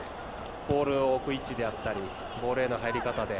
ボールを置く位置であったりボールへの入り方で。